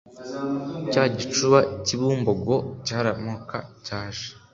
Cya gicuba k’i Bumbogo cyaramuka cyaje